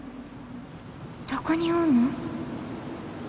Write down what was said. どこにおんの？